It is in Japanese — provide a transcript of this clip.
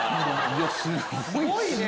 すごいね！